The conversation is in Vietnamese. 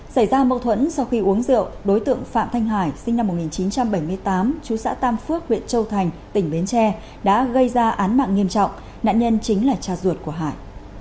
xảy ra mâu thuẫn sau khi uống rượu đối tượng phạm thanh hải sinh năm một nghìn chín trăm bảy mươi tám chú xã tam phước huyện châu thành tỉnh bến tre đã gây ra án mạng nghiêm trọng nạn nhân chính là cha ruột của hải